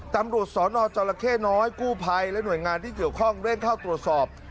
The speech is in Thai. ตำรวจสนจรเข้น้อยกู้ภัยและหน่วยงานที่เกี่ยวข้องเร่งเข้าตรวจสอบ